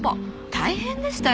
大変でしたよ